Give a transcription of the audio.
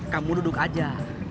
kamu duduk aja